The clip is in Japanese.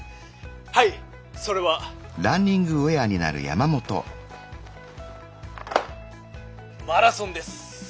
「はいそれはマラソンです！」。